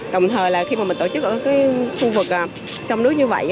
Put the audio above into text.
đồng thời khi mình tổ chức ở khu vực sông nước như vậy